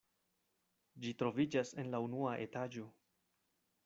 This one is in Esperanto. Ĝi troviĝas en la unua etaĝo.